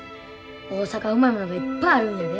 大阪はうまいものがいっぱいあるんやで。